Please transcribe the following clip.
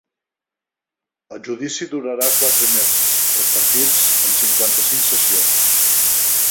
El judici durarà quatre mesos, repartits en cinquanta-cinc sessions.